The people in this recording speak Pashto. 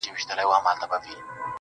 سیاه پوسي ده د مړو ورا ده.